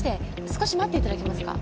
少し待って頂けますか？